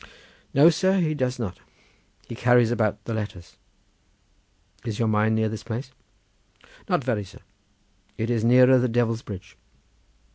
"No, sir, he does not; he carries about the letters." "Is your mine near this place?" said I. "Not very, sir; it is nearer the Devil's Bridge."